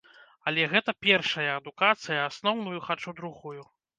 Але гэта першая адукацыя, асноўную хачу другую.